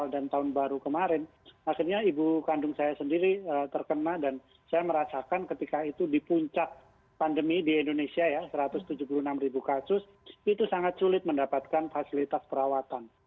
dan tahun baru kemarin akhirnya ibu kandung saya sendiri terkena dan saya merasakan ketika itu di puncak pandemi di indonesia ya satu ratus tujuh puluh enam kasus itu sangat sulit mendapatkan fasilitas perawatan